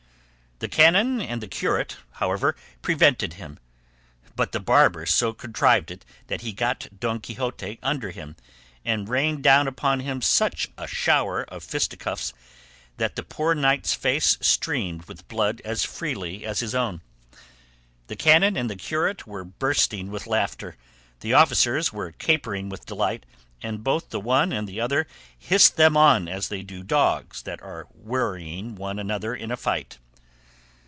The canon and the curate, however, prevented him, but the barber so contrived it that he got Don Quixote under him, and rained down upon him such a shower of fisticuffs that the poor knight's face streamed with blood as freely as his own. The canon and the curate were bursting with laughter, the officers were capering with delight, and both the one and the other hissed them on as they do dogs that are worrying one another in a fight.